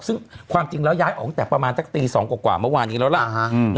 ซึ่งความจริงแล้วย้ายออกตั้งแต่ประมาณสักตี๒กว่าเมื่อวานนี้แล้วล่ะ